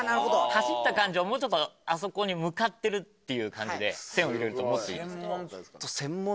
走った感じをもうちょっとあそこに向かってるっていう感じで線を入れるともっといいですね